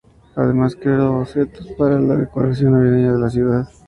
Además creó los bocetos para la decoración navideña de la ciudad.